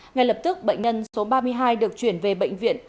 ngay lập tức bệnh nhân số ba mươi hai được chuyển về bệnh viện